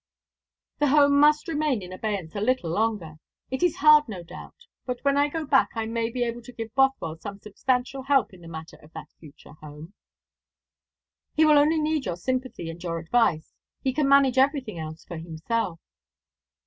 "The home must remain in abeyance a little longer. It is hard, no doubt; but when I go back I may be able to give Bothwell some substantial help in the matter of that future home." "He will need only your sympathy and your advice. He can manage everything else for himself."